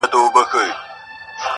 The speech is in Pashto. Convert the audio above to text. • تر اسمانه وزرونه د ختلو -